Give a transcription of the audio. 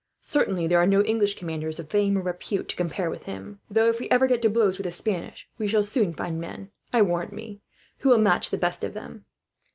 Certainly there are no English commanders of fame or repute to compare with him; though if we ever get to blows with the Spanish, we shall soon find men, I warrant me, who will match the best of them.